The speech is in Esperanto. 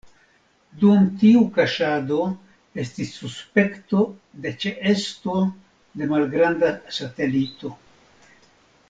Dum tiu kaŝado, estis suspekto de ĉeesto de malgranda satelito.